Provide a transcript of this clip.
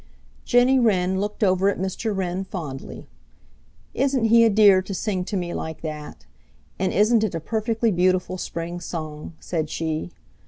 Jenny Wren looked over at Mr. Wren fondly. "Isn't he a dear to sing to me like that? And isn't it a perfectly beautiful spring song?" said she.